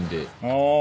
ああ。